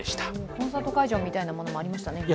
コンサート会場みたいなものもありましたね。